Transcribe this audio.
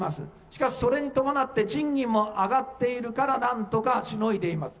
しかし、それに伴って賃金も上がっているから、なんとかしのいでいます。